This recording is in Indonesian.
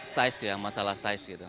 size ya masalah size gitu